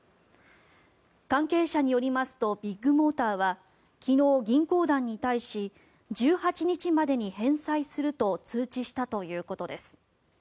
関係者によりますとビッグモーターは昨日、銀行団に対し１８日までに返済すると通知したということです。